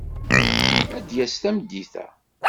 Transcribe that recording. Ad d-yas tameddit-a.